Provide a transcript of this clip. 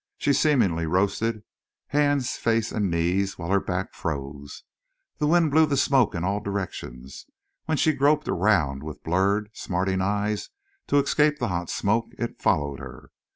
She seemingly roasted hands, face, and knees while her back froze. The wind blew the smoke in all directions. When she groped around with blurred, smarting eyes to escape the hot smoke, it followed her.